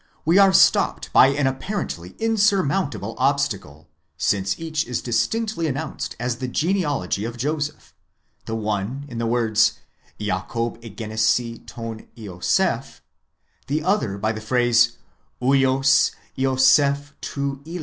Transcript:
we are stopped by an apparently insurmountable obstacle, since each is distinctly announced as the genealogy of Joseph ; the one in the words ᾿Ιακὼβ ἐγέννησε tov Ἰωσὴφ, the other by the phrase vids Ἰωσὴφ τοῦ "HA.